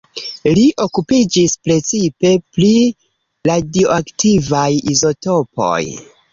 Li okupiĝis precipe pri radioaktivaj izotopoj.